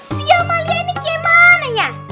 si amalia ini kemananya